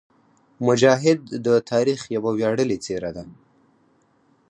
مجاهد د تاریخ یوه ویاړلې څېره ده.